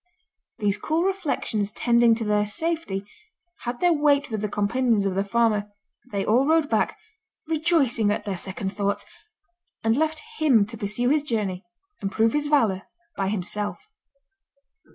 These cool reflections tending to their safety, had their weight with the companions of the farmer; they all rode back, rejoicing at their second thoughts, and left him to pursue his journey and prove his valour by himself.